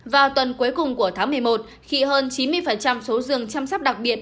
vào tuần cuối cùng của tháng một mươi một khi hơn chín mươi số rừng chăm sóc đặc biệt